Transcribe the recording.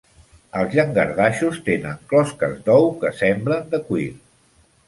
Els llangardaixos tenen closques d"ou que semblen de cuir.